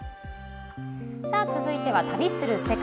続いては「旅する世界」。